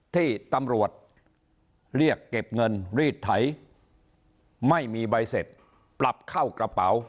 ที่ตำรวจเรียกเก็บเงินรีดไถไม่มีใบเสร็จปรับเข้ากระเป๋า